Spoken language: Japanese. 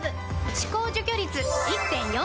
歯垢除去率 １．４ 倍！